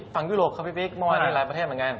ฝั่งยุโรปเมื่อวานมีหลายประเทศเหมือนกัน